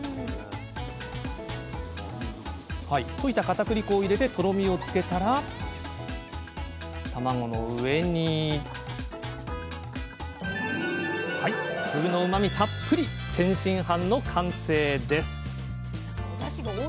溶いたかたくり粉を入れてとろみをつけたら卵の上に天津飯の完成です